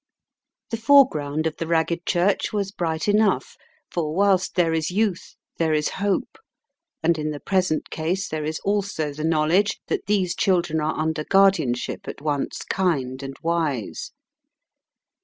The foreground of the Ragged Church was bright enough, for whilst there is youth there is hope, and in the present case there is also the knowledge that these children are under guardianship at once kind and wise.